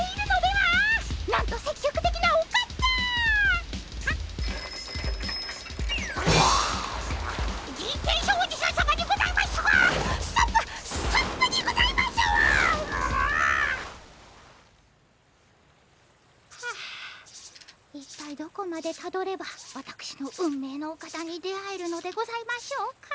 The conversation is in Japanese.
はあ一体どこまでたどればわたくしの運命のお方に出会えるのでございましょうか。